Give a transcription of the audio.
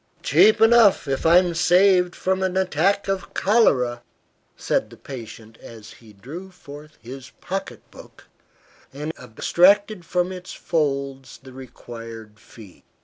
"Cheap enough, if I am saved from an attack of cholera," said the patient as he drew forth his pocket book and abstracted from its folds the required fee.